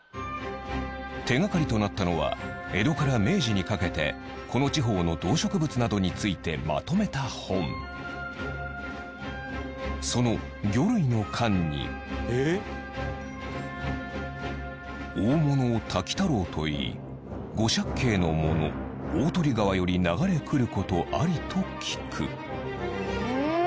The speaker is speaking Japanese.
手掛かりとなったのは江戸から明治にかけてこの地方の動植物などについてまとめた本その魚類の巻に「大物を瀧太郎といい五尺計のもの大鳥川より流れくることありと聞く」